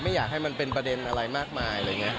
ไม่อยากให้มันเป็นประเด็นอะไรมากมาย